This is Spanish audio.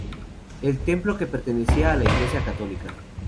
El templo que pertenecía a la Iglesia católica.